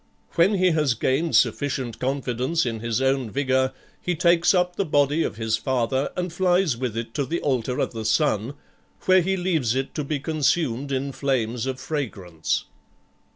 When he has gained sufficient confidence in his own vigor, he takes up the body of his father and flies with it to the altar of the Sun, where he leaves it to be consumed in flames of fragrance."